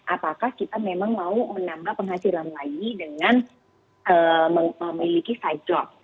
apakah kita memang mau menambah penghasilan lagi dengan memiliki side job